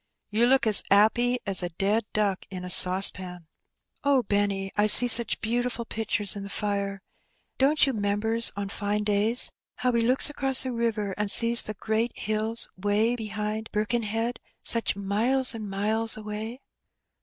"You look as 'appy as a dead duck in a saucepan." " Oh, Benny, I see such beautiful pictures in the fire. Don't you 'members on fine days how we looks across the Tiver, and sees the great hills 'way behind Birkenhead, such miles an' miles away?"